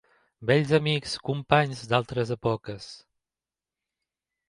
Vells amics, companys d'altres èpoques...